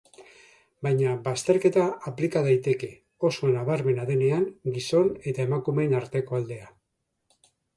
Baina bazterketa aplika daiteke, oso nabramena denean gizon eta emnakumeen arteko aldea.